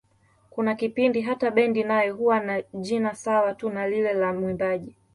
Kuna kipindi hata bendi nayo huwa na jina sawa tu na lile la mwimbaji.